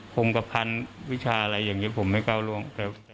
ผมกระพันธ์วิชาอะไรอย่างนี้ผมไม่ก้าวล่วง